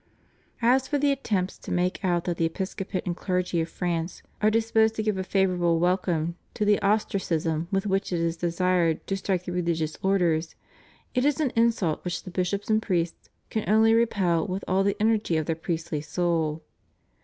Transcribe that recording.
As for the attempt to make out that the episcopate and clergy of France are disposed to give a favorable welcome to the ostracism with which it is desired to strike the religious orders, it is an insult which the bishops and priests can only repel with all the energy of their priestly soul.